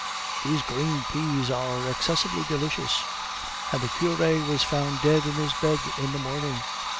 "These green peas are excessively delicious!" "And the cure was found dead in his bed in the morning...."